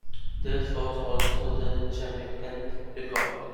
This was also the Jamaican record.